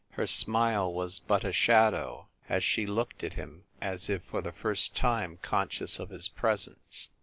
Her smile was but a shadow, as she looked at him, as if for the first time conscious of his presence.